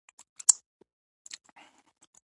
د پامیر غرونه د نړۍ بام بلل کیږي